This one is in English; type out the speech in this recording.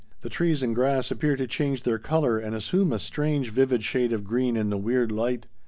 The trees and grass appear to change their color and assume a strange vivid shade of green in the weird light.